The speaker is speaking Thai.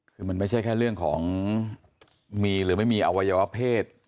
คือมันไม่ใช่แค่เรื่องของมีหรือไม่มีอวัยวะเพศ